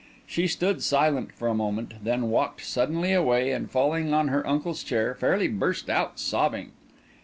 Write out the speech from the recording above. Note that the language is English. She stood silent for a moment, then walked suddenly away, and falling on her uncle's chair, fairly burst out sobbing.